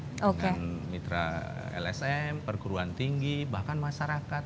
mereka juga bisa berkumpul dengan mitra lsm perguruan tinggi bahkan masyarakat